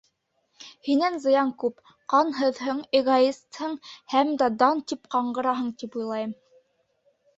Һинән зыян күп, ҡанһыҙһың, эгоистһың һәм дә дан, тип ҡаңғыраһың, тип уйлайым.